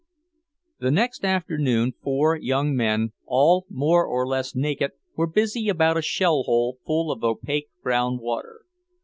The next afternoon four young men, all more or less naked, were busy about a shell hole full of opaque brown water.